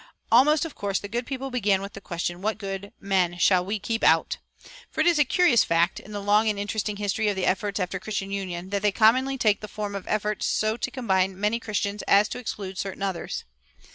Almost of course the good people began with the question, What good men shall we keep out? for it is a curious fact, in the long and interesting history of efforts after Christian union, that they commonly take the form of efforts so to combine many Christians as to exclude certain others.